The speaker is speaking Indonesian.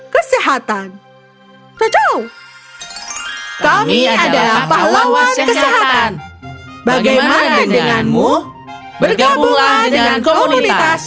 kesehatan tuh jauh kami adalah pahlawan kesehatan bagaimana denganmu bergabunglah dengan komunitas